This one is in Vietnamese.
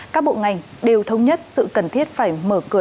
các bộ ngành đều thống nhất sự cần thiết phải mở cửa